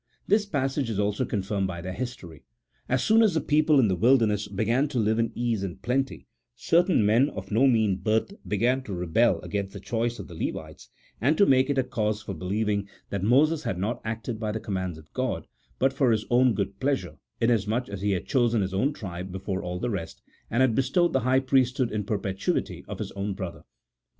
This passage is also confirmed by their history. As soon as the people in the wilderness began to live in ease and plenty, certain men of no mean birth began to rebel against the choice of the Levites, and to make it a cause for be lieving that Moses had not acted by the commands of God, but for his own good pleasure, inasmuch as he had chosen his own tribe before all the rest, and had bestowed the high priesthood in perpetuity on his own brother.